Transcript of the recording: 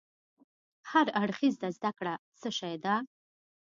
هر اړخيزه زده کړه څه شی ده؟